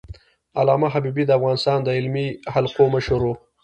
علامه حبيبي د افغانستان د علمي حلقو مشر و.